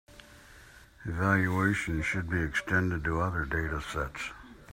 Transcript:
Evaluation should be extended to other datasets.